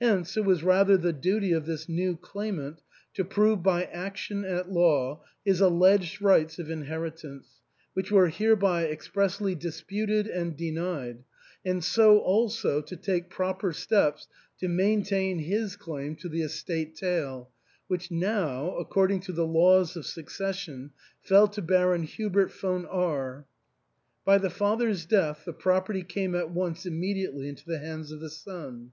Hence it was rather the duty of this new claimant to prove by action at law his alleged rights of inheritance, which were hereby expressly disputed and denied, and so also to take proper steps to maintain his claim to the estate tail, which now, according to the laws of succession, fell to Baron Hubert von R . By the father's death the property came at once imme diately into the hands of the son.